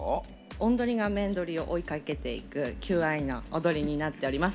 雄鳥が雌鳥を追いかけていく求愛の踊りになっております。